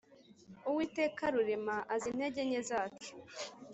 Uwiteka Rurema azi intege nke zacu;